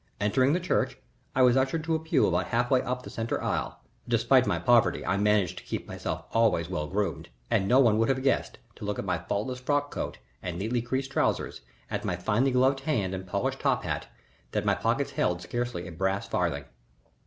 Entering the church, I was ushered to a pew about halfway up the centre aisle despite my poverty, I had managed to keep myself always well groomed, and no one would have guessed, to look at my faultless frock coat and neatly creased trousers, at my finely gloved hand and polished top hat, that my pockets held scarcely a brass farthing.